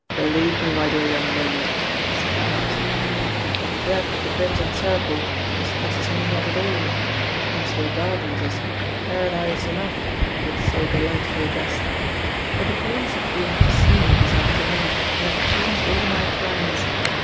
"Believe me, my dear young lady," he said earnestly, "the threat of the Crimson Circle distresses me not at all, Onslow Gardens is 'paradise enow' with so delightful a guest, but the police have been to see me this afternoon, and have changed all my plans.